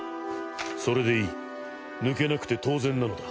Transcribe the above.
それでいい抜けなくて当然なのだ。